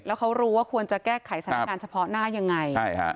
แล้วเขารู้ว่าควรจะแก้ไขสถานการณ์เฉพาะหน้ายังไงใช่ฮะ